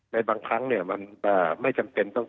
ในบางครั้งเนี่ยมันไม่จำเป็นต้อง